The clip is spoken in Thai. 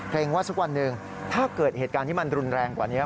ว่าสักวันหนึ่งถ้าเกิดเหตุการณ์ที่มันรุนแรงกว่านี้